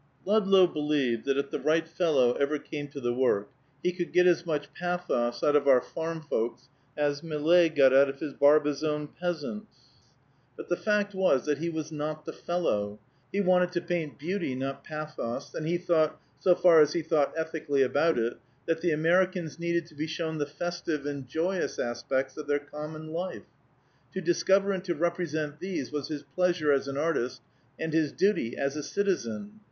II. Ludlow believed that if the right fellow ever came to the work, he could get as much pathos out of our farm folks as Millet got out of his Barbizon peasants. But the fact was that he was not the fellow; he wanted to paint beauty not pathos; and he thought, so far as he thought ethically about it, that, the Americans needed to be shown the festive and joyous aspects of their common life. To discover and to represent these was his pleasure as an artist, and his duty as a citizen.